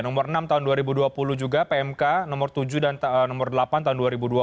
nomor enam tahun dua ribu dua puluh juga pmk nomor tujuh dan nomor delapan tahun dua ribu dua puluh